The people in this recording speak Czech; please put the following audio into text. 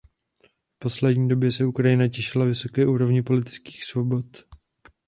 V poslední době se Ukrajina těšila vysoké úrovni politických svobod.